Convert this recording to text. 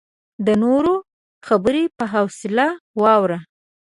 د نورو خبرې په حوصله واوره.